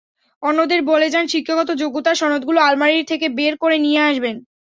অন্যদের বলে যান শিক্ষাগত যোগ্যতার সনদগুলো আলমারি থেকে বের করে নিয়ে আসবেন।